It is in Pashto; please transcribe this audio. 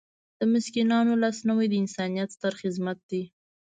د مسکینانو لاسنیوی د انسانیت ستر خدمت دی.